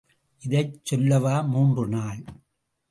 இதைச் சொல்லவா மூன்று நாள்?